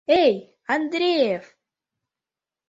Эй, Андреев!